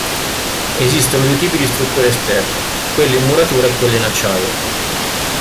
Esistono due tipi di strutture esterne: quelle in muratura e quelle in acciaio.